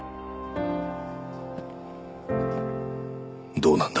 どうなんだ？